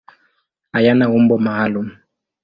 Hayana umbo maalum.